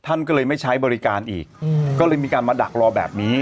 ท่านก็เลยไม่ใช้บริการอีกก็เลยมีการมาดักรอแบบนี้